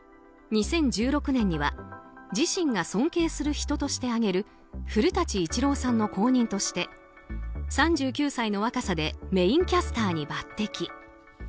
２０１６年には自信が尊敬する人として挙げる古舘伊知郎さんの後任として３９歳の若さでメインキャスターに抜擢。